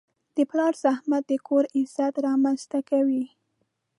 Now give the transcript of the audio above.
د پلار زحمت د کور عزت رامنځته کوي.